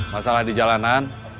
masalah di jalanan